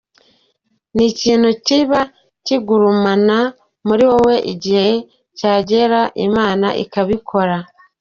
Ni ikintu kiba kigurumana muri wowe igihe cyagera Imana ikabikora.